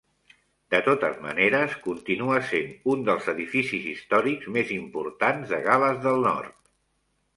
De totes maneres, continua sent un dels edificis històrics més importants de Gal·les del Nord.